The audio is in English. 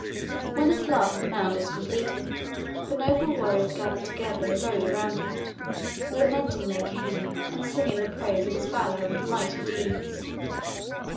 When at last the mound was completed, the noble warriors gathered together and rode around it, lamenting their king and singing the praise of his valor and mighty deeds.